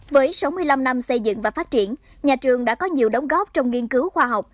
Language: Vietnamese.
với sáu mươi năm năm xây dựng và phát triển nhà trường đã có nhiều đóng góp trong nghiên cứu khoa học